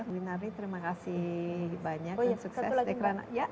winari terima kasih banyak dan sukses dekranase